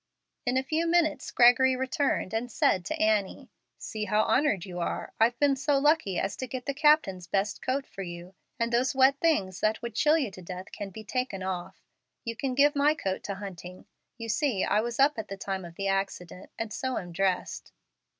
In a few minutes Gregory returned and said to Annie, "See how honored you are. I've been so lucky as to get the captain's best coat for you, and those wet things that would chill you to death can be taken off. You can give my coat to Hunting. You see I was up at the time of the accident, and so am dressed."